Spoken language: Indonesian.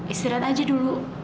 istirahat aja dulu